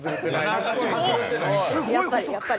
◆やっぱりやっぱり。